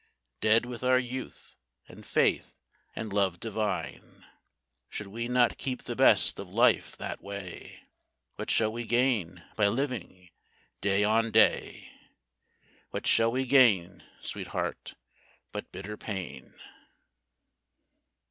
Dead with our youth, and faith, and love divine, Should we not keep the best of life that way? What shall we gain by living day on day? What shall we gain, Sweetheart, but bitter pain?